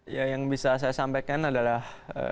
ya yang bisa saya sampaikan adalah